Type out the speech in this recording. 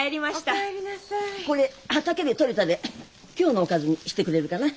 これ畑で採れたで今日のおかずにしてくれるかな。